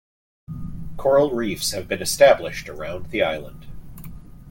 Coral reefs have been established around the island.